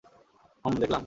হুম, দেখলাম।